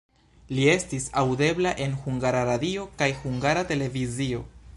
Li estis aŭdebla en Hungara Radio kaj Hungara Televizio.